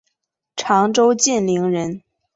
常州晋陵人。